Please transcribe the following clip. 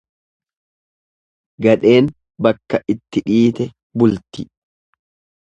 Gadheen bakka itti dhiite bulti.